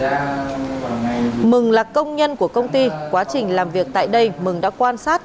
mùi văn mừng là công nhân của công ty quá trình làm việc tại đây mừng đã quan sát